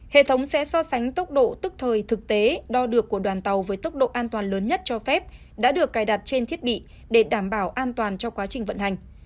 hệ thống sẽ so sánh tốc độ tức thời thực tế đo được của đoàn tàu với tốc độ an toàn lớn nhất cho phép đã được cài đặt trên thiết bị để đảm bảo an toàn cho quá trình vận hành